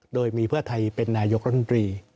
โดยมีเพื่อไทยเป็นนายกรัฐมนตรี